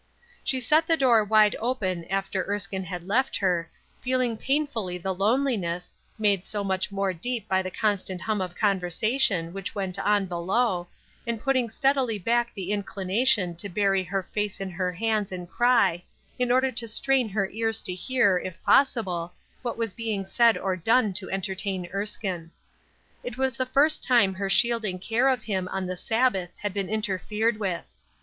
She set the door wide open after Erskine had left her, feeling painfully the loneliness, made so much more deep by the constant hum of conver sation which went on below, and putting steadily back the inclination to bury her face in her hands and cry, in order to strain her ears to hear, if pos sible, what was being said or done to entertain Erskine. It was the first time her shielding care of him on the Sabbath had been interfered with.